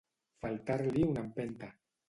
Faltar-li una empenta.